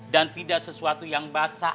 dan tidak sesuatu yang basah